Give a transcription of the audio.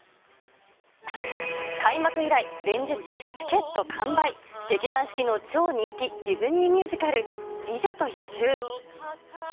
開幕以来、連日チケット完売、劇団四季の超人気ディズニーミュージカル、美女と野獣。